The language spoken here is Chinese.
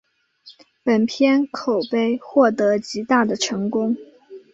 本片口碑获得极大的成功。